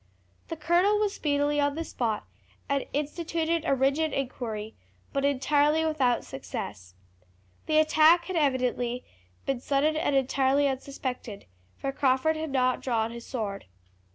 The colonel was speedily on the spot, and instituted a rigid inquiry, but entirely without success. The attack had evidently been sudden and entirely unsuspected, for Crawford had not drawn his sword.